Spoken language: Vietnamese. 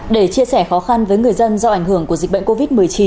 để chia sẻ khó khăn với người dân do ảnh hưởng của dịch bệnh covid một mươi chín